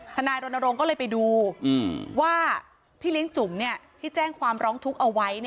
ทนายรณรงค์ก็เลยไปดูว่าพี่เลี้ยงจุ๋มที่แจ้งความร้องทุกข์เอาไว้